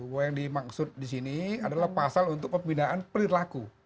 bahwa yang dimaksud di sini adalah pasal untuk pembinaan perilaku